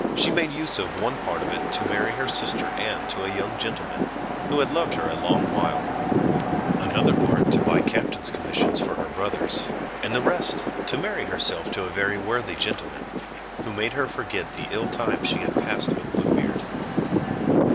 She made use of one part of it to marry her sister Anne to a young gentleman who had loved her a long while; another part to buy captains' commissions for her brothers; and the rest to marry herself to a very worthy gentleman, who made her forget the ill time she had passed with Blue Beard.